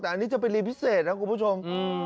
แต่อันนี้จะเป็นรีพิเศษนะคุณผู้ชม